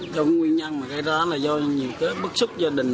trong nguyên nhân mà gây ra là do nhiều cái bức xúc gia đình